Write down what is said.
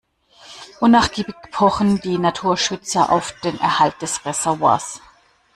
Unnachgiebig pochen die Naturschützer auf den Erhalt des Reservoirs.